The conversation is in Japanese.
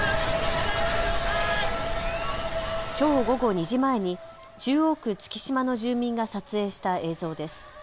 きょう午後２時前に中央区月島の住民が撮影した映像です。